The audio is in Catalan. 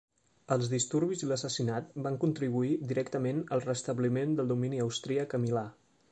Els disturbis i l'assassinat van contribuir directament al restabliment del domini austríac a Milà.